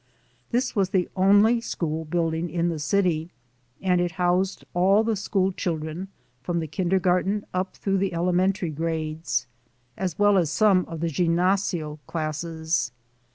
.This was the only school building in the city and it housed all the school children from the kindergarten up through the elementary grades, as well as some of the "ginnasio" classes.